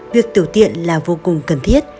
việc tiểu tiện là vô cùng cần thiết